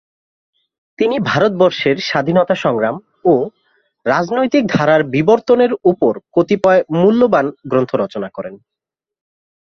তিনি ভারতবর্ষের স্বাধীনতা সংগ্রাম ও রাজনৈতিক ধারার বিবর্তনের উপর কতিপয় মূল্যবান গ্রন্থ রচনা করেন।